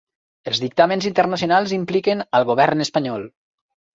Els dictàmens internacionals impliquen al govern espanyol